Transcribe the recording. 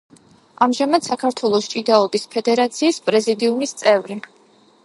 ამჟამად საქართველოს ჭიდაობის ფედერაციის პრეზიდიუმის წევრი.